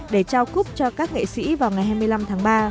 để trao cúp cho các nghệ sĩ vào ngày hai mươi năm tháng ba